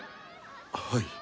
はい。